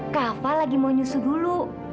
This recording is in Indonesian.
kava lagi mau nyusu dulu